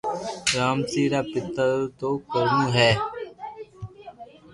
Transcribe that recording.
رامسي رآ پيتا رو نو ڪرمون ھي